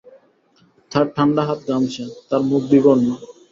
তার ঠাণ্ডা হাত ঘামছে, তার মুখ বিবর্ণ।